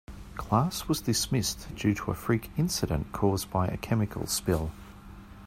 Class was dismissed due to a freak incident caused by a chemical spill.